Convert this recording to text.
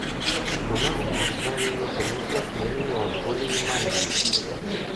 У нас нет знания механизма смены меланхолии манией.